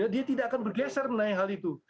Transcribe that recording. dia tidak akan bergeser mengenai hal itu